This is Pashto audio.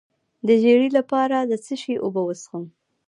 د ژیړي لپاره د څه شي اوبه وڅښم؟